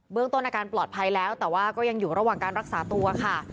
ต้นอาการปลอดภัยแล้วแต่ว่าก็ยังอยู่ระหว่างการรักษาตัวค่ะ